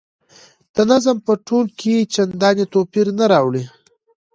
د نظم په تول کې چنداني توپیر نه راولي.